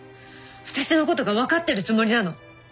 私のことが分かってるつもりなの？